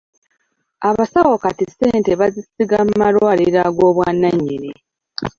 Abasawo kati ssente bazisiga mu malwaliro agw'obwannannyini.